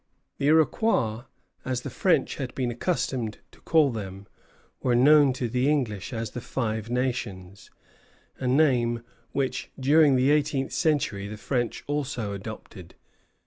The Iroquois, as the French had been accustomed to call them, were known to the English as the Five Nations, a name which during the eighteenth century the French also adopted.